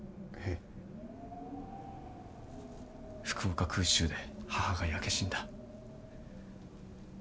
福岡空襲で母が焼け死んだ。